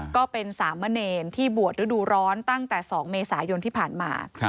ก็เป็นสามเณรที่บวชฤดูร้อนตั้งแต่๒เมษายนที่ผ่านมา